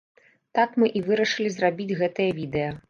Так мы і вырашылі зрабіць гэтае відэа.